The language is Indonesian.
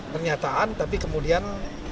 pernyataan tapi kemudian